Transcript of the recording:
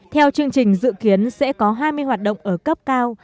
theo chương trình dự kiến sẽ có hai mươi hoạt động ở cấp cao